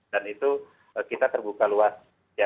dan itu kita terbuka luas